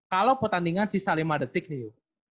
kalau pertandingan sisa lima detik nih